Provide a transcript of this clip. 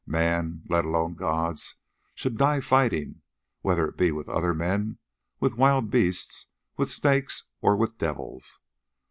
Men, let alone gods, should die fighting, whether it be with other men, with wild beasts, with snakes, or with devils.